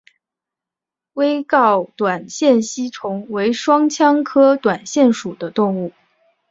微睾短腺吸虫为双腔科短腺属的动物。